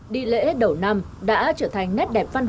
đi lễ đầu năm đã trở thành nét đẹp phát triển